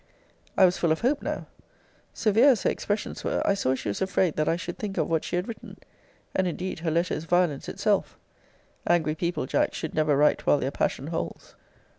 I was full of hope now. Severe as her expressions were, I saw she was afraid that I should think of what she had written. And, indeed, her letter is violence itself. Angry people, Jack, should never write while their passion holds.